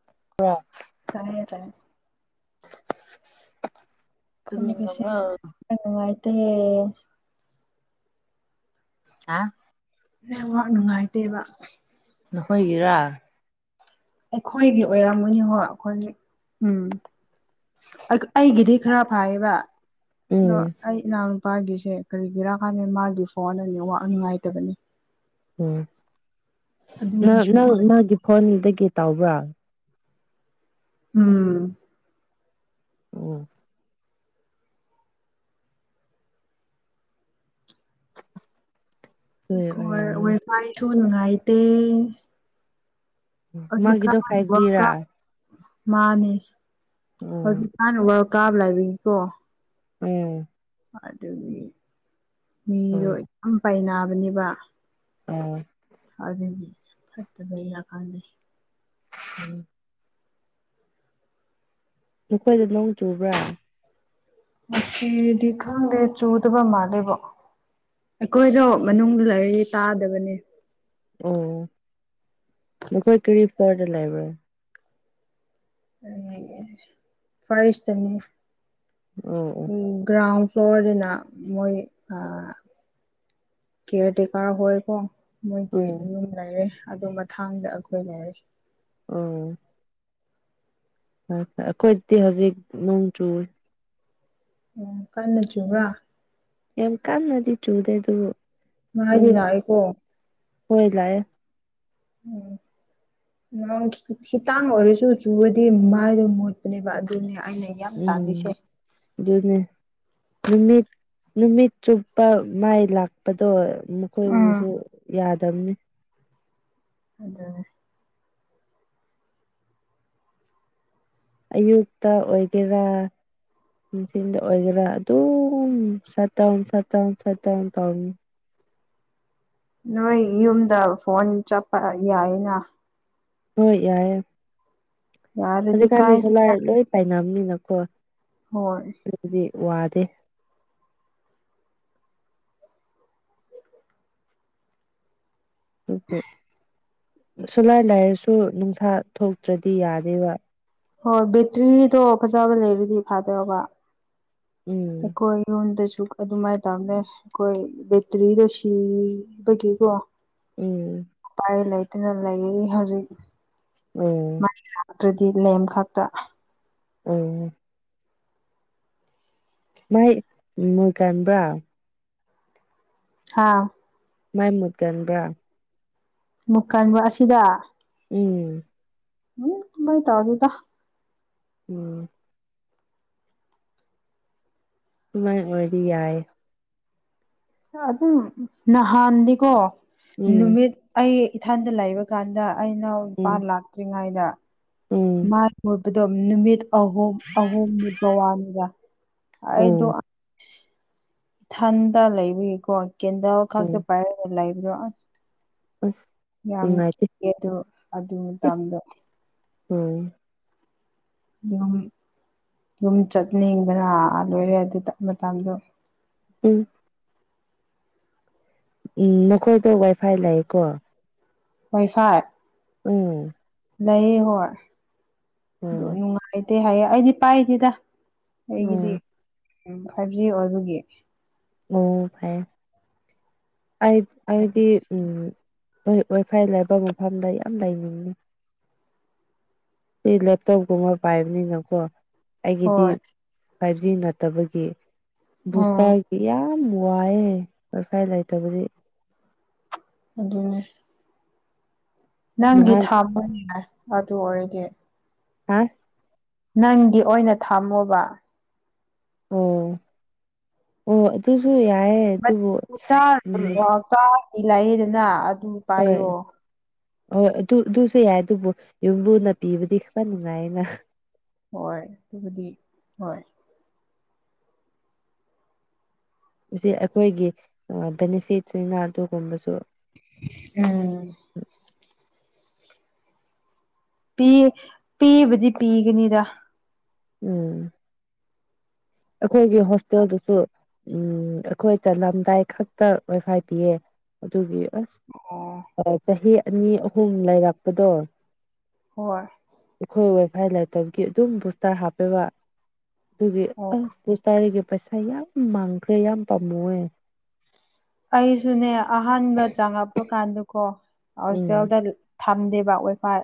[unintelligible] ꯇꯥꯏꯌꯦ ꯇꯥꯏꯌꯦ ꯇꯨꯝꯅꯤꯡꯉꯕꯣ ꯑꯩ ꯅꯨꯡꯉꯥꯏꯇꯦ ꯑ ꯅꯦꯋꯥꯛ ꯅꯨꯡꯉꯥꯏꯇꯦꯕ ꯅꯈꯣꯏꯒꯤꯔꯥ ꯑꯩꯈꯣꯏꯒꯤ ꯑꯣꯏꯔꯝꯃꯅꯤ ꯍꯣꯏ ꯑꯈꯣꯏꯒꯤ ꯎꯝ ꯑꯩ ꯑꯩꯒꯤꯗꯤ ꯈꯔ ꯐꯌꯦꯕ ꯑꯗꯣ ꯎꯝ ꯑꯩ ꯏꯅꯥꯎꯅꯨꯄꯥꯒꯤꯁꯦ ꯀꯔꯤꯒꯤꯔꯥ ꯈꯪꯗꯦ ꯃꯥꯒꯤ ꯐꯣꯟꯗ ꯅꯦꯋꯥꯛ ꯅꯨꯡꯉꯥꯏꯇꯕꯅꯤ ꯎꯝ ꯅꯪ ꯑꯗꯨꯒꯤꯁꯨ ꯅꯪ ꯑꯣꯏ ꯃꯥꯒꯤ ꯐꯣꯟꯗꯨꯗꯒꯤ ꯇꯧꯕ꯭ꯔꯥ ꯎꯝ ꯑꯣ ꯍꯣꯏ ꯑꯩꯈꯣꯏ ꯑꯣꯏꯔꯝꯒꯅꯤ ꯋꯥꯏꯐꯥꯏꯁꯨ ꯅꯨꯡꯉꯥꯏꯇꯦ ꯍꯧꯖꯤꯛ ꯀꯥ ꯃꯥꯒꯤꯗꯣ ꯐꯥꯏꯚ ꯖꯤꯔꯥ ꯋꯥꯜꯀꯞ ꯃꯥꯅꯦ ꯎꯝ ꯍꯧꯖꯤꯛꯀꯥꯟ ꯋꯥꯔꯜ ꯀꯥꯞ ꯂꯩꯕꯒꯤꯀꯣ ꯎꯝ ꯑꯗꯨꯒꯤ ꯃꯤꯗꯣ ꯎꯝ ꯌꯥꯝ ꯄꯥꯏꯅꯕꯅꯦꯕ ꯑ ꯑꯗꯨꯒꯤ ꯐꯠꯇꯕꯩꯔ ꯈꯪꯗꯦ [unintelligible] ꯅꯈꯣꯏꯗ ꯅꯣꯡ ꯆꯨꯕ꯭ꯔꯥ ꯉꯁꯤꯗꯤ ꯈꯪꯗꯦ ꯆꯨꯗꯕ ꯃꯥꯜꯂꯦꯕꯣ ꯑꯩꯈꯣꯏꯗꯣ ꯃꯅꯨꯡꯗ ꯂꯩꯔꯤ ꯇꯥꯗꯕꯅꯦ ꯑꯣ ꯅꯈꯣꯏ ꯀꯔꯤ ꯐ꯭ꯂꯣꯔꯗ ꯂꯩꯕ꯭ꯔꯣ ꯑꯩ ꯐꯥꯔꯁꯇꯅꯤ ꯑꯣ ꯑꯣ ꯒ꯭ꯔꯥꯎꯟ ꯐ꯭ꯂꯣꯔꯗꯅ ꯃꯣꯏ ꯑꯥ ꯀꯦꯌꯥꯔ ꯇꯦꯀꯔ ꯍꯣꯏ ꯀꯣ ꯃꯣꯏꯒꯤ ꯎꯝ ꯌꯨꯝ ꯂꯩꯔꯦ ꯑꯗꯨ ꯃꯊꯥꯡꯗ ꯑꯩꯈꯣꯏ ꯂꯩꯔꯦ ꯑꯣ [unintelligible] ꯑꯩꯈꯣꯏꯇꯤ ꯍꯧꯖꯤꯛ ꯅꯣꯡ ꯆꯨꯔꯦ ꯅꯣꯡ ꯀꯥꯟꯅ ꯆꯨꯕ꯭ꯔꯥ ꯌꯥꯝ ꯀꯟꯅꯗꯤ ꯆꯨꯗꯦ ꯑꯗꯨꯕꯨ ꯑꯗꯨꯝ ꯃꯥꯏꯗꯤ ꯂꯥꯛꯏꯀꯣ ꯍꯣꯏ ꯂꯥꯑꯦ [inaudible] ꯅꯣꯡ ꯈꯤ ꯈꯤꯇꯥꯡ ꯑꯣꯏꯔꯁꯨ ꯆꯨꯨꯔꯗꯤ ꯃꯥꯏꯗꯣ ꯃꯣꯠꯄꯅꯦꯕ ꯑꯗꯨꯅꯦ ꯑꯩꯅ ꯌꯥꯝ ꯇꯥꯜꯂꯤꯁꯦ ꯎꯝ ꯑꯗꯨꯅꯦ ꯅꯨꯃꯤꯠ ꯅꯨꯃꯤꯠ ꯆꯨꯞꯄ ꯃꯥꯏ ꯂꯥꯛꯄꯗꯣ ꯎꯝ ꯃꯈꯣꯏꯒꯤꯁꯨ ꯌꯥꯗꯕꯅꯤ ꯑꯗꯨꯅꯦ ꯑꯌꯨꯛꯇꯥ ꯑꯣꯏꯒꯦꯔꯥ ꯅꯨꯡꯊꯤꯟꯗ ꯑꯣꯏꯒꯦꯔꯥ ꯑꯗꯨꯝ ꯁꯥꯠꯇꯥꯎꯟ ꯁꯥꯠꯇꯥꯎꯟ ꯁꯥꯠꯇꯥꯎꯟ ꯇꯥꯎꯅꯤ ꯅꯣꯏ ꯌꯨꯝꯗ ꯐꯣꯟ ꯆꯞꯄ ꯌꯥꯏꯅ ꯍꯣꯏ ꯌꯥꯏꯌꯦ ꯌꯥꯔꯗꯤ ꯍꯧꯖꯤꯛꯀꯥꯟꯗꯤ ꯁꯣꯂꯥꯔ ꯀꯥꯏꯗꯦꯗ ꯂꯣꯏ ꯄꯥꯏꯅꯕꯅꯤꯅꯀꯣ ꯍꯣꯏ ꯑꯗꯨꯗꯤ ꯋꯥꯗꯦ ꯑꯗꯨꯕꯨ ꯁꯨꯂꯥꯏ ꯂꯥꯏꯔꯁꯨ ꯅꯨꯡꯁꯥ ꯊꯣꯛꯇ꯭ꯔꯥꯗꯤ ꯌꯥꯗꯦꯕ ꯍꯣꯏ ꯕꯦꯇ꯭ꯔꯤꯗꯣ ꯐꯖꯕ ꯂꯩꯔꯗꯤ ꯐꯥꯗꯧꯕ ꯎꯝ ꯑꯩꯈꯣꯏ ꯌꯨꯝꯗꯁꯨ ꯑꯗꯨꯃꯥꯏ ꯇꯧꯕꯅꯦ ꯑꯩꯈꯣꯏ ꯕꯦꯇ꯭ꯔꯤꯗꯣ ꯁꯤꯕꯒꯤꯀꯣ ꯎꯝ ꯑꯩ ꯂꯩꯇꯅ ꯂꯩꯌꯦ ꯍꯧꯖꯤꯛ ꯑꯣ ꯃꯥꯏ ꯂꯥꯛꯇ꯭ꯔꯥꯗꯤ ꯂꯦꯝ ꯈꯛꯇꯥ ꯎꯝ ꯃꯩ ꯃꯨꯠꯀꯝꯕ꯭ꯔꯥ ꯍꯥꯥ ꯃꯩ ꯃꯨꯠꯀꯟ꯭ꯕꯔꯥ ꯃꯨꯛꯀꯟꯕ ꯑꯁꯤꯗ ꯎꯝ ꯎꯝ ꯇꯨꯃꯩ ꯇꯥꯎꯗꯦꯗ ꯎꯝ ꯑꯗꯨꯃꯥꯏ ꯑꯣꯏꯔꯗꯤ ꯌꯥꯏ ꯈꯔ ꯑꯗꯨꯝ ꯅꯍꯥꯟꯗꯤꯀꯣ ꯎꯝ ꯅꯨꯃꯤꯠ ꯑꯩ ꯏꯊꯟꯗ ꯂꯩꯕ ꯀꯥꯟꯗ ꯑꯩꯅꯥꯎ ꯅꯨꯄꯥ ꯎꯝ ꯂꯥꯛꯇ꯭ꯔꯤꯉꯩꯗ ꯎꯝ ꯃꯥꯏ ꯀꯣꯏꯕꯗꯣ ꯅꯨꯃꯤꯠ ꯑꯍꯨꯝ ꯑꯍꯨꯝ ꯃꯨꯕ ꯋꯥꯅꯤꯗ ꯑꯩꯗꯣ ꯎꯝ ꯏꯊꯟꯇ ꯂꯩꯕꯒꯤꯀꯣ ꯀꯦꯟꯗꯜ ꯈꯛꯇ ꯎꯝ ꯄꯥꯏꯔꯒ ꯂꯩꯕꯗꯣ ꯑꯁ ꯎꯝ ꯌꯥꯝ ꯀꯤꯌꯦ ꯑꯗꯨ ꯑꯗꯨ ꯃꯇꯝꯗꯣ ꯎꯝ ꯑꯗꯨꯝ ꯌꯨꯝ ꯆꯠꯅꯤꯡꯕꯅ ꯂꯣꯏꯔꯦ ꯑꯗꯨ ꯃꯇꯝꯗꯣ ꯎꯝ ꯎꯝ ꯅꯈꯣꯏꯗ ꯋꯥꯏꯐꯥꯏ ꯂꯩꯀꯣ ꯋꯥꯏ ꯐꯥꯏ ꯎꯝ ꯂꯩꯌꯦ ꯍꯣꯏ ꯑꯗꯨ ꯎꯝ ꯅꯨꯉꯥꯏꯇꯦ ꯍꯥꯏꯌꯦ ꯑꯩꯗꯤ ꯄꯥꯏꯗꯦꯗ ꯑꯩꯒꯤꯗꯤ ꯎꯝ ꯐꯥꯏꯚ ꯖꯤ ꯑꯣꯏꯕꯒꯤ ꯎꯝ ꯐꯥꯌꯦ ꯑꯩ ꯑꯩꯗꯤ ꯎꯝ ꯑꯣꯏ ꯋꯥꯏꯐꯥꯏ ꯂꯥꯏꯕ ꯃꯐꯝꯗ ꯌꯥꯝ ꯂꯩꯅꯤꯡꯉꯦ ꯄꯤ ꯂꯦꯞꯇꯣꯞꯀꯨꯝꯕ ꯄꯥꯏꯕꯅꯤꯅꯀꯣ ꯑꯩꯒꯤꯗꯤ ꯍꯣꯏ ꯐꯥꯏꯚ ꯖꯤ ꯅꯠꯇꯕꯒꯤ ꯎꯝ ꯕꯨꯁꯇꯥꯔ ꯌꯥꯝ ꯋꯥꯏꯌꯥꯦ ꯋꯥꯏꯐꯥꯏ ꯂꯩꯇꯕꯗꯤ ꯑꯗꯨꯅꯦ ꯅꯪꯒꯤ ꯅꯍꯥꯟ ꯊꯥ ꯃꯅꯤ ꯌꯥꯏ ꯊꯥꯗꯨ ꯑꯣꯏꯔꯗꯤ ꯍꯨꯝ ꯅꯪꯒꯤ ꯑꯣꯏꯅ ꯊꯝꯃꯣꯕ ꯑꯣ ꯑꯣ ꯑꯗꯨꯁꯨ ꯌꯥꯏꯑꯦ ꯑꯗꯨꯕꯨ ꯎꯝ ꯀꯥ ꯇꯤꯅꯩꯗꯅ ꯑꯗꯨ ꯎꯝ ꯄꯥꯏꯌꯣ ꯍꯣꯏ ꯑꯗꯨ ꯑꯗꯨꯁꯨ ꯌꯥꯏ ꯑꯗꯨꯕꯨ ꯌꯨꯝꯕꯨꯅ ꯄꯤꯕꯗꯤ ꯈꯅꯨꯉꯥꯏꯌꯦꯅ ꯍꯣꯏ ꯑꯗꯨꯕꯨꯗꯤ ꯍꯣꯏ ꯁꯤꯗꯤ ꯑꯈꯣꯏꯒꯤ ꯕꯦꯅꯤꯐꯤꯠꯁꯤꯅ ꯑꯗꯨꯒꯨꯝꯕꯁꯨ ꯑꯝ ꯄꯤ ꯄꯤꯕꯗꯤ ꯄꯤꯒꯅꯤꯗ ꯎꯝ ꯑꯈꯣꯏꯒꯤ ꯍꯣꯁꯇꯦꯜꯗꯁꯨ ꯎꯝ ꯑꯈꯣꯏ ꯆꯠꯂꯝꯗꯥꯏ ꯈꯛꯇ ꯂꯐꯥꯏ ꯄꯌꯦ ꯑꯗꯨꯒꯤ ꯑꯁ ꯑꯣ ꯑ ꯆꯍꯤ ꯑꯅꯤ ꯑꯍꯨꯝ ꯂꯩꯔꯛꯄꯗꯣ ꯍꯣꯏ ꯑꯩꯈꯣꯏ ꯋꯥꯏ ꯐꯥꯏ ꯂꯩꯇꯕꯒꯤ ꯑꯗꯨꯝ ꯕꯨꯁꯇꯔ ꯍꯥꯞꯄꯦꯕ ꯑꯗꯨꯒꯤ ꯑꯣ ꯑꯁ ꯕꯨꯁꯇꯔꯒꯤ ꯄꯩꯁꯥ ꯌꯥꯝ ꯃꯥꯡꯈ꯭ꯔꯦ ꯌꯥꯝ ꯄꯥꯝꯃꯨꯑꯦ ꯑꯩꯁꯨꯅꯦ ꯑꯍꯥꯟꯕ ꯆꯪꯉꯛꯄ ꯀꯥꯟꯗꯀꯣ ꯎꯝ ꯍꯣꯁꯇꯦꯜꯗ ꯐꯪꯗꯦꯕ ꯋꯥꯏ ꯐꯥꯏ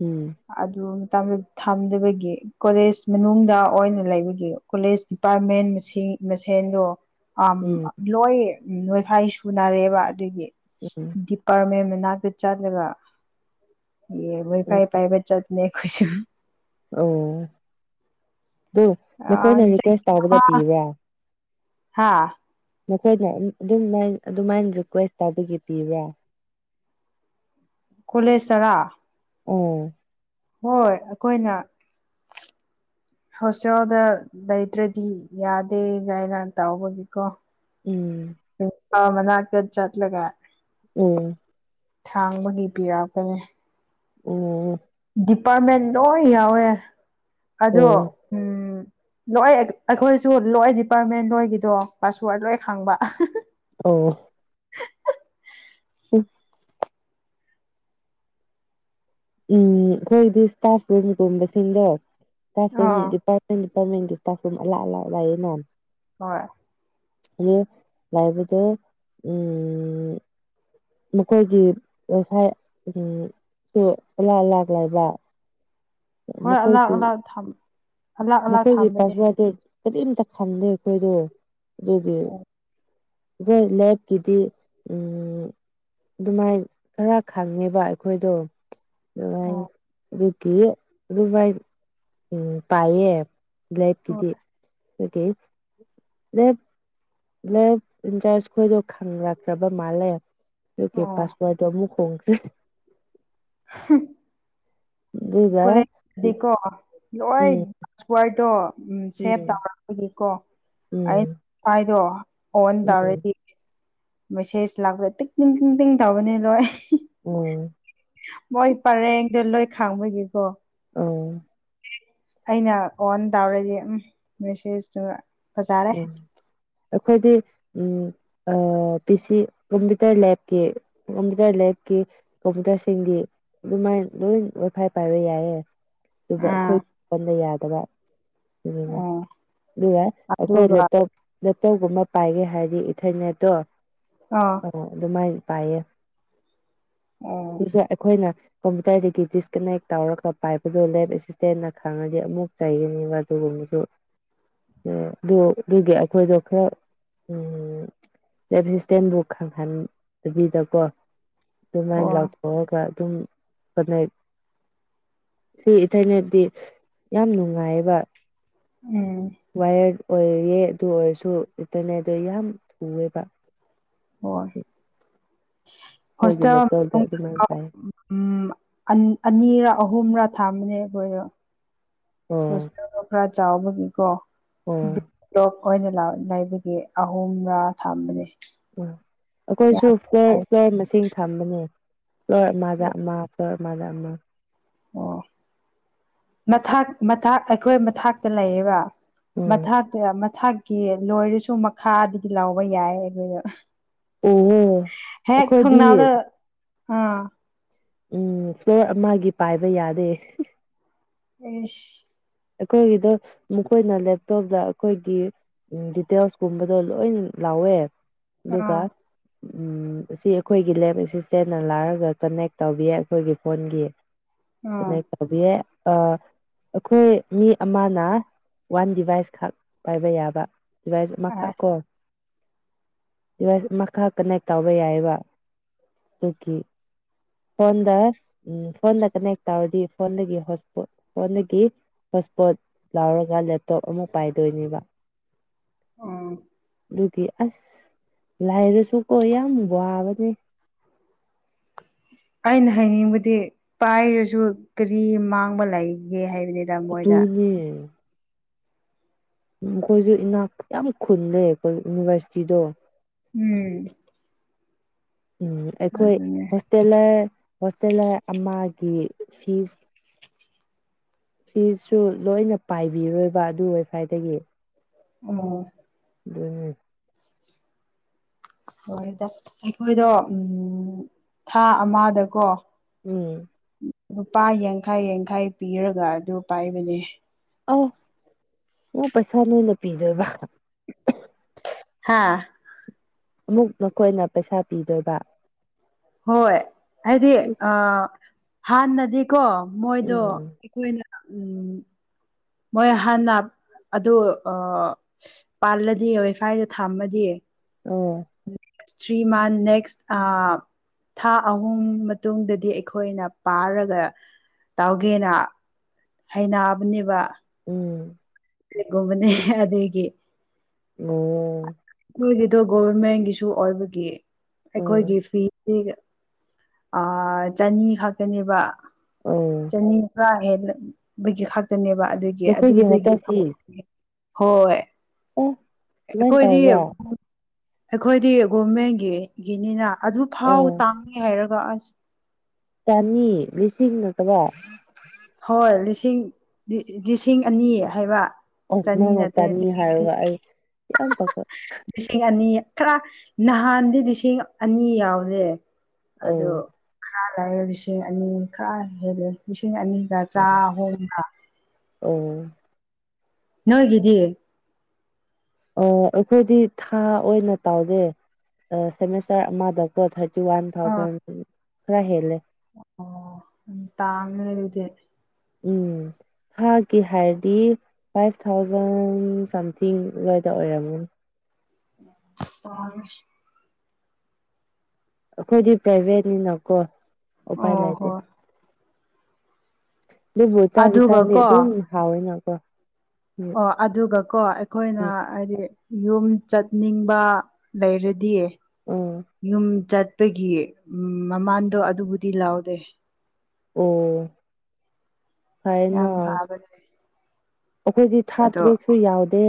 ꯎꯝ ꯑꯗꯨ ꯃꯇꯝ ꯐꯪꯗꯕꯒꯤ ꯀꯣꯂꯦꯖ ꯃꯅꯨꯡꯗ ꯑꯣꯏꯅ ꯂꯩꯕꯒꯤ ꯀꯣꯂꯦꯖ ꯗꯤꯄꯥꯔꯠꯃꯦꯟ ꯃꯁꯤꯡ ꯃꯁꯦꯟꯗꯣ ꯑꯝ ꯎꯝ ꯂꯣꯏ ꯅꯣꯏ ꯐꯥꯏ ꯁꯨꯅꯔꯦꯕ ꯑꯗꯨꯒꯤ ꯎꯝ ꯗꯤꯞ ꯄꯥꯔꯃꯦꯟ ꯃꯅꯥꯛꯇ ꯆꯠꯂꯒ ꯌꯦ ꯋꯥꯏ ꯎꯝ ꯐꯥꯏ ꯄꯥꯏꯕ ꯆꯠꯂꯦ ꯑꯈꯣꯏꯁꯨ ꯑꯧ ꯗꯨ ꯑ ꯃꯈꯣꯏꯅ ꯆꯍꯤ ꯔꯤꯀ꯭ꯋꯦꯁ ꯇꯧꯕꯗ ꯑꯃ ꯄꯤꯕ꯭ꯔꯥ ꯍꯥ ꯅꯣꯏꯅ ꯑꯗꯨꯝꯃꯥꯏ ꯑꯗꯨꯃꯥꯏꯅ ꯔꯤꯀ꯭ꯋꯦꯁ ꯇꯧꯕꯒꯤ ꯄꯤꯕ꯭ꯔꯥ [inaudible] ꯀꯣꯂꯦꯆꯥꯔꯥ ꯎꯝ ꯍꯣꯏ ꯑꯩꯈꯣꯏꯅ [inaudible] ꯍꯣꯁꯇꯦꯜꯗ ꯂꯩꯇ꯭ꯔꯗꯤ ꯌꯥꯗꯦ ꯒꯥꯏꯅ ꯇꯥꯎꯕꯒꯤꯀꯣ ꯎꯝ ꯄꯤꯄꯥꯜ ꯃꯅꯥꯛꯇ ꯆꯠꯂꯒ ꯎꯝ ꯁꯥꯡꯕꯗꯤ ꯄꯤꯔꯛꯄꯅꯤ ꯑꯣ ꯗꯤꯄꯥꯔꯠꯃꯦꯟ ꯂꯣꯏ ꯌꯥꯎꯋꯦ ꯑꯗꯣ ꯂꯣꯏ ꯑꯩꯈꯣꯏꯁꯨ ꯂꯣꯏ ꯗꯤꯄꯥꯔꯠꯃꯦꯟ ꯅꯣꯏꯒꯤꯗꯣ ꯄꯥꯁꯋꯥꯔꯗ ꯂꯣꯏ ꯈꯪꯕ ꯑꯣ ꯎꯝ ꯎꯝ ꯑꯩꯈꯣꯏꯗꯤ ꯏꯁꯇꯥꯐ ꯔꯨꯝꯒꯨꯝꯕꯁꯤꯡꯗꯣ ꯏꯁꯇꯥꯐꯔꯨꯝ ꯑꯥ ꯗꯤꯄꯥ ꯗꯤꯄꯥꯠꯃꯦꯟꯒꯤ ꯏꯇꯥꯞꯐꯔꯨꯝ ꯑꯂꯥ ꯑꯥꯂꯥꯛ ꯂꯥꯛꯑꯌꯦ ꯅ ꯍꯣꯏ ꯌꯦ ꯂꯥꯏꯕꯗ ꯎ ꯃꯈꯣꯏꯒꯤ ꯂꯩꯐꯥꯏ ꯎꯝ ꯁꯨꯂꯥ ꯂꯥꯛ ꯂꯩꯥꯏꯕ ꯍꯣꯏ ꯑꯅꯛ ꯑꯅꯥꯛ ꯊꯝ ꯑꯂꯥꯛ ꯑꯂꯥꯛ ꯃꯈꯣꯏꯒꯤ ꯊꯝꯕꯅꯦ ꯄꯥꯁꯋꯥꯔꯗꯠꯇꯨ ꯀꯔꯤꯝꯇ ꯈꯪꯗꯦ ꯑꯩꯈꯣꯏꯗꯣ ꯑꯗꯨꯒꯤ ꯑꯣ [unintelligible] ꯀꯤꯗꯤ ꯎꯝ ꯑꯗꯨꯃꯥꯏ ꯈꯔ ꯈꯪꯉꯦꯕ ꯑꯩꯈꯣꯏꯗꯣ [unintelligible] ꯑꯣ ꯎꯝ ꯇꯥꯏꯌꯦ ꯂꯦꯞꯀꯤꯗꯤ ꯍꯣꯏ [unintelligible] ꯂꯩ ꯏꯟꯆꯥꯥꯔꯖ ꯈꯣꯏꯗꯣ ꯈꯪꯪꯂꯛꯈ꯭ꯔꯕ ꯃꯥꯜꯂꯦ ꯇ ꯀꯦ ꯑꯣ ꯄꯥꯁꯋꯥꯗꯗꯣ ꯑꯃꯨꯛ ꯍꯣꯡꯒ꯭ꯔꯦ ꯍꯨꯝ ꯑꯗꯨꯒ [unintelligible] ꯗꯤꯀꯣ ꯂꯣꯏ ꯎꯝ ꯄꯥꯁꯋꯥꯔꯗꯣ ꯎ ꯎꯝ ꯁꯦꯚ ꯇꯧꯔꯕꯒꯤꯀꯣ ꯑꯩ ꯎꯝ ꯁꯥꯏꯗꯣ ꯑꯣꯟ ꯎꯝ ꯇꯧꯔꯗꯤ ꯃꯦꯁꯦꯁ ꯂꯥꯛꯄꯗ ꯇꯤꯛ ꯇꯤꯡ ꯇꯤꯛ ꯇꯤꯡ ꯇꯧꯕꯅꯤ ꯂꯣꯏ ꯎꯝ ꯃꯣꯏ ꯄꯔꯦꯡꯗ ꯂꯣꯏ ꯈꯥꯡꯕꯒꯤꯀꯣ ꯑ ꯑꯩꯅ ꯑꯣꯟ ꯇꯧꯔꯗꯤ ꯎꯝ ꯃꯦꯁꯦꯁꯇꯨ ꯐꯖꯔꯦ ꯎ ꯑꯩꯈꯣꯏꯗꯤ ꯎꯝ ꯑ ꯄ ꯁꯤ ꯀꯝꯄꯌꯨꯇꯔ ꯂꯦꯕꯀꯤ ꯀꯝꯄꯌꯨꯇꯔ ꯂꯦꯕꯀꯤ ꯀꯝꯄꯨꯇꯔꯁꯤꯡꯗꯤ ꯑꯗꯨꯃꯥꯏꯅ ꯂꯣꯏ ꯋꯥꯏꯐꯥꯏ ꯄꯥꯏꯕ ꯌꯥꯏꯌꯦ ꯇꯧꯕ ꯑꯥ ꯑꯩꯈꯣꯏꯗ ꯑꯣꯟꯗ ꯌꯥꯗꯕ ꯑꯣ ꯑꯗꯨꯒ ꯑꯩꯈꯣꯏꯇ ꯑꯗꯨꯒ ꯂꯞꯇꯣꯞꯒꯨꯝꯕ ꯄꯥꯏꯒꯦ ꯍꯥꯏꯔꯗꯤ ꯏꯊꯩꯅꯦꯠꯇꯣ ꯑꯥ ꯑꯣ ꯑꯗꯨꯃꯥꯏꯅ ꯄꯥꯥꯏꯌꯦ ꯑꯣ ꯑꯗꯨꯁꯨ ꯑꯩꯈꯣꯏꯅ ꯀꯝꯄꯨꯇꯔꯗꯒꯤ ꯗꯤꯁꯀꯅꯦꯛ ꯇꯧꯔꯒ ꯄꯥꯏꯕꯗꯨ ꯂꯦꯞ ꯑꯦꯁꯤꯁꯇꯦꯟꯅ ꯈꯪꯉꯗꯤ ꯑꯃꯨꯛ ꯆꯩꯒꯅꯤꯕ ꯑꯗꯨꯒꯨꯝꯕꯁꯨ ꯎꯝ ꯗꯨ ꯑꯗꯨꯒꯤ ꯑꯩꯈꯣꯏꯗꯣ ꯈꯔ ꯎꯝ ꯂꯣꯚꯤꯁꯇꯦꯟꯕꯨ ꯈꯪꯍꯟꯗꯕꯤꯗꯀꯣ ꯑꯗꯨꯃꯥꯏꯟ ꯍꯣꯏ ꯂꯥꯎꯠ ꯀꯣꯑꯒ ꯑꯗꯨꯝ ꯐꯅꯦꯛ ꯁꯤ ꯏꯇꯩꯅꯗꯤ ꯌꯥꯝ ꯅꯨꯡꯉꯥꯏꯌꯦꯕ ꯎꯝ ꯋꯥꯌ꯭ꯔꯠ ꯑꯣꯏꯌꯦ ꯑꯗꯨ ꯑꯣꯏꯔꯁꯨ ꯏꯟꯇꯔꯅꯦꯠꯇ ꯌꯥꯝ ꯊꯨꯑꯦꯕ ꯍꯣꯏ ꯑꯩꯈꯣꯏꯒꯤ ꯍꯣꯁꯇꯦꯜ ꯂꯦꯞꯇꯣꯞꯇ ꯑꯗꯨꯃꯥꯏꯅ ꯄꯥꯏ [unintelligible] ꯎꯝ ꯑꯟ ꯑꯅꯤꯔꯥ ꯑꯍꯨꯝꯔꯥ ꯊꯥꯝꯕꯅꯦ ꯑꯩꯒꯣꯏꯗꯣ ꯑꯣ ꯍꯣꯁꯇꯦꯜꯗꯣ ꯈꯔ ꯆꯥꯎꯕꯒꯤꯀꯣ ꯑꯣ ꯕꯤꯠ ꯂꯣꯛ ꯑꯣꯏꯅ ꯂꯥꯎ ꯂꯩꯕꯒꯤ ꯑꯍꯨꯝꯂꯥ ꯊꯝꯕꯅꯦ ꯎꯝ ꯑꯩꯗꯣꯏꯁꯨ ꯌꯥꯝ ꯐ꯭ꯂꯣꯔ ꯅꯨꯡꯉꯥꯏ ꯐ꯭ꯂꯣꯔ ꯃꯁꯤꯡ ꯊꯝꯕꯅꯦ ꯐ꯭ꯂꯣꯔ ꯑꯃꯗ ꯑꯃ ꯈꯔ ꯃꯥꯅ ꯑꯃ ꯑꯣ ꯃꯊꯥꯛ ꯃꯇꯥꯛ ꯑꯩꯈꯣꯏ ꯃꯊꯛꯇ ꯂꯩꯌꯦꯕ ꯎꯝ ꯃꯊꯥꯛꯇꯤ ꯃꯊꯥꯛꯀꯤ ꯂꯣꯏꯔꯁꯨ ꯃꯈꯥꯗꯒꯤ ꯂꯧꯕ ꯌꯥꯏ ꯑꯩꯈꯣꯏꯗꯣ ꯑꯣ ꯍꯦꯛ ꯊꯣꯡꯅꯥꯎꯗ ꯑꯩꯈꯣꯏꯗꯤ ꯑꯥ ꯎꯝ ꯐ꯭ꯂꯣꯔ ꯑꯃꯒꯤ ꯄꯥꯏꯕ ꯌꯥꯗꯦ ꯏꯁ ꯑꯩꯈꯣꯏꯒꯤꯗꯣ ꯃꯈꯣꯏꯅ ꯂꯦꯞꯇꯣꯞꯇ ꯑꯈꯣꯏꯒꯤ ꯎꯝ ꯗꯤꯇꯦꯜꯁ ꯀꯨꯝꯕꯗꯣ ꯂꯣꯏꯅ ꯂꯥꯎꯋꯦ ꯑꯗꯨꯒ ꯑꯥ ꯎꯝ ꯑꯁꯤ ꯑꯩꯈꯣꯏꯒꯤ ꯂꯦꯞ ꯑꯦꯁꯤꯁꯇꯦꯟꯅ ꯂꯥꯛꯔꯒ ꯀꯟꯅꯦꯛ ꯇꯧꯕꯤꯌꯦ ꯑꯩꯈꯣꯏꯒꯤ ꯐꯣꯟꯒꯤ ꯑꯥ ꯀꯟꯅꯦꯛ ꯇꯧꯕꯤꯌꯦ ꯑ ꯑꯈꯣꯏ ꯃꯤ ꯑꯃꯅ ꯋꯥꯟ ꯗꯤꯚꯥꯏꯁ ꯈꯛ ꯄꯥꯏꯕ ꯌꯥꯕ ꯗꯤꯚꯥꯏꯁ ꯑꯃ ꯈꯛ ꯑꯁ ꯀꯣ ꯗꯤꯚꯥꯏꯁ ꯑꯃ ꯈꯛ ꯀꯟꯅꯦꯛ ꯇꯧꯕ ꯌꯥꯏꯌꯦꯕ ꯗꯨꯀꯤ ꯐꯣꯟꯗ ꯎꯝ ꯐꯣꯟꯗ ꯀꯟꯅꯦꯛ ꯇꯧꯔꯗꯤ ꯐꯣꯟꯗꯒꯤ ꯍꯣꯁꯄꯣꯠ ꯐꯣꯟꯗꯒꯤ ꯍꯣꯁꯄꯣꯠ ꯂꯥꯎꯔꯒ ꯂꯦꯞ ꯇꯣꯞ ꯑꯃꯨꯛ ꯄꯥꯏꯗꯣꯏꯅꯦꯕ ꯎꯝ ꯇꯤ ꯑꯁ ꯂꯥꯏꯔꯔꯁꯨꯀꯣ ꯌꯥꯝ ꯋꯥꯕꯅꯦ ꯑꯩꯅ ꯍꯥꯏꯅꯤꯡꯕꯗꯤ ꯄꯥꯏꯔꯁꯨ ꯀꯔꯤ ꯃꯥꯡꯕ ꯂꯩꯒꯦ ꯍꯥꯏꯕꯅꯤ ꯑꯇꯨꯅꯦ ꯎꯝ ꯑꯈꯣꯏꯁꯨ ꯏꯅꯥꯛ ꯌꯥꯝ ꯈꯨꯜꯂꯦ ꯑꯩꯈꯣꯏ ꯌꯨꯅꯤꯚꯔꯁꯤꯇꯤꯗꯣ ꯎꯝ ꯎꯝ ꯑꯩꯈꯣꯏ ꯑꯗꯨꯅꯦ ꯍꯣꯁ ꯇꯦꯂꯔ ꯍꯣꯁꯇꯦꯂꯔ ꯑꯃꯒꯤ ꯐꯤꯁ ꯐꯤꯁꯁꯨ ꯂꯣꯏꯅ ꯄꯥꯏꯕꯤꯔꯣꯏꯕ ꯑꯗꯨ ꯋꯥꯏꯐꯥꯏꯗꯒꯤ [unintelligible] ꯗꯨꯅꯦ ꯍꯣꯏꯗ ꯑꯩꯈꯣꯏꯗꯣ ꯎꯝ ꯊꯥ ꯑꯃꯗꯀꯣ ꯎꯝ ꯂꯨꯄꯥ ꯌꯥꯡꯈꯩ ꯌꯥꯡꯈꯩ ꯄꯤꯔꯒ ꯑꯗꯨ ꯄꯥꯏꯕꯅꯦ ꯑꯧ ꯑꯣ ꯄꯩꯁꯥ ꯅꯣꯏꯅ ꯄꯤꯗꯣꯏꯕ ꯍꯥꯥ ꯑꯃꯨꯛ ꯅꯈꯣꯏꯅ ꯄꯩꯁꯥ ꯄꯤꯗꯣꯏꯕ ꯍꯣꯏ ꯍꯥꯏꯗꯤ ꯑ ꯏꯁ ꯍꯥꯟꯅꯗꯤꯀꯣ ꯃꯣꯏꯗꯣ ꯎꯝ ꯑꯩꯈꯣꯏꯅ ꯎꯝ ꯃꯣꯏ ꯍꯥꯟꯅ ꯑꯗꯨ ꯑ ꯄꯥꯜꯂꯗꯤ ꯋꯥꯏꯐꯥꯏꯗ ꯊꯝꯃꯗꯤ ꯑꯣ ꯊ꯭ꯔꯤ ꯃꯟ ꯅꯦꯛꯁ ꯑ ꯊꯥ ꯑꯍꯨꯝ ꯃꯇꯨꯡꯗꯗꯤ ꯑꯩꯈꯣꯏꯅ ꯄꯥꯔꯒ ꯇꯧꯒꯦꯅ ꯍꯩꯅꯕꯅꯦꯕ ꯎꯝ ꯀꯩꯒꯨꯝꯕꯅꯦ ꯑꯗꯨꯒꯤ ꯑꯣ ꯀꯨꯏꯔꯦꯗꯣ ꯒꯣꯕ꯭ꯔꯃꯦꯟꯒꯤꯁꯨ ꯑꯣꯏꯕꯒꯤ ꯎꯝ ꯑꯩꯈꯣꯏꯒꯤ ꯐꯤ ꯄꯤꯒ ꯑ ꯆꯅꯤ ꯈꯛꯇꯅꯦꯕ ꯑꯣ ꯑꯅꯤꯝ ꯀꯥ ꯍꯦꯟꯂ ꯕꯒꯤ ꯈꯛꯇꯅꯦꯕ ꯑꯗꯨꯒꯤ ꯅꯈꯣꯏꯒꯤ ꯑꯗꯨꯗꯒꯤ ꯍꯣꯁꯇꯦꯜ ꯍꯣꯏ ꯎꯝ ꯑꯩꯈꯣꯏꯗꯤ ꯑꯩꯈꯣꯏꯗꯤ ꯒꯣꯔꯃꯦꯟꯒꯤ ꯒꯤꯅꯤꯅ ꯑꯗꯨ ꯐꯥꯎ ꯑꯣ ꯇꯥꯡꯉꯦ ꯍꯥꯏꯔꯒ ꯑꯁ ꯆꯅꯤ ꯂꯤꯁꯤꯡ ꯀꯥꯗꯥꯏ ꯍꯣꯏ ꯂꯤꯁꯤꯡ ꯂꯤꯁꯤꯡ ꯑꯅꯤ ꯍꯥꯏꯕ ꯑꯣ ꯆꯅꯤ ꯅꯪꯅ ꯅꯠꯇꯦ ꯆꯅꯤ ꯍꯥꯏꯔꯒ ꯑꯩ ꯌꯥꯝ ꯄꯛꯄ ꯂꯤꯁꯤꯡ ꯑꯅꯤ ꯈꯔ ꯅꯍꯥꯟꯗꯤ ꯂꯤꯁꯤꯡ ꯑꯅꯤ ꯌꯥꯎꯔꯦ ꯑꯗꯨ ꯑꯣ ꯈꯔ ꯂꯩꯔ ꯂꯤꯁꯤꯡ ꯑꯅꯤ ꯈꯔ ꯍꯦꯜꯂꯦ ꯂꯤꯁꯤꯡ ꯑꯅꯤ ꯆꯥ ꯍꯨꯝꯔ ꯑꯣ ꯅꯣꯏꯒꯤꯗꯤ ꯑ ꯑꯩꯈꯣꯏꯗꯤ ꯊꯥ ꯑꯣꯏꯅ ꯇꯧꯗꯦ ꯑ ꯁꯦꯃꯤꯁꯇꯔ ꯑꯃꯗ ꯇ ꯊꯥꯔꯇꯤ ꯋꯥꯟ ꯑꯥ ꯊꯥꯎꯖꯟ ꯈꯔ ꯍꯦꯜꯂꯦ ꯑꯣ ꯎꯝ ꯇꯥꯡꯂꯦ ꯑꯗꯨꯗꯤ ꯎꯝ ꯊꯥꯒꯤ ꯍꯥꯏꯔꯗꯤ ꯐꯥꯏꯚ ꯊꯥꯎꯖꯟ ꯁꯝꯊꯤꯡ ꯑꯗꯨꯋꯥꯏꯗ ꯑꯣꯏꯔꯝꯅꯤ ꯄꯔꯣꯏ ꯑꯈꯣꯏꯗꯤ ꯄ꯭ꯔꯥꯏꯚꯦꯠꯅꯤꯅꯀꯣ ꯎꯄꯥꯏ ꯑꯣ ꯂꯩꯇꯦ ꯍꯣꯏ ꯑꯗꯨꯕꯨ ꯆꯥꯗꯤ ꯑꯗꯨꯒ ꯆꯥꯅꯤ ꯀꯣ ꯑꯗꯨꯝ ꯍꯥꯎꯋꯦꯅꯀꯣ ꯎꯝ ꯑ ꯑꯗꯨꯒꯀꯣ ꯑꯩꯈꯣꯏꯅ ꯎꯝ ꯍꯥꯏꯗꯤ ꯌꯨꯝ ꯆꯠꯅꯤꯡꯕ ꯂꯩꯔꯗꯤ ꯎꯝ ꯌꯨꯝ ꯆꯠꯄꯒꯤ ꯃꯃꯥꯟꯗꯣ ꯑꯗꯨꯕꯨꯗꯤ ꯂꯧꯗꯦ ꯑꯣ ꯌꯥꯝ ꯐꯥꯕꯅꯤꯅꯦ ꯑꯈꯣꯏꯗꯤ ꯊꯥ ꯇꯔꯨꯛꯁꯨ ꯌꯥꯎꯗꯦ